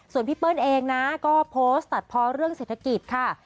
ส่วนพี่เปิ้ลเองนะก็โพสต์ตัดพอเรื่องเศรษฐกิจค่ะ